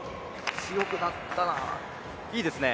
強くなったな、いいですね。